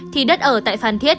thì đất ở tại phan thiết